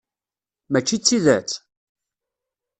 Mačči d tidet?